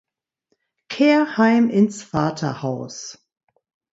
Kehr heim ins Vaterhaus!